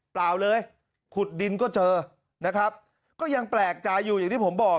เปล่าเลยขุดดินก็เจอนะครับก็ยังแปลกใจอยู่อย่างที่ผมบอก